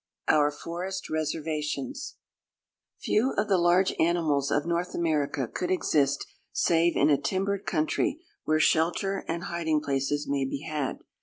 Our Forest Reservations Few of the large animals of North America could exist save in a timbered country where shelter and hiding places may be had.